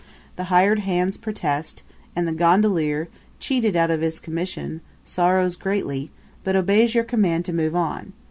The hired hands protest; and the gondolier, cheated out of his commission, sorrows greatly, but obeys your command to move on.